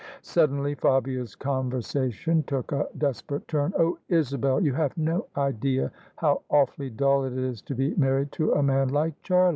Suddenly Fabia's conversation took a desperate turn. " Oh, Isabel, you have no idea how awfully dull it is to be married to a man like Charlie!